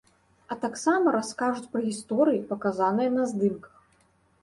А таксама раскажуць пра гісторыі, паказаныя на здымках.